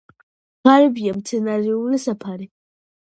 ღარიბია მცენარეული საფარი.